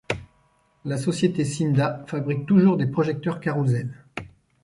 La société Simda fabrique toujours des projecteurs Carousel.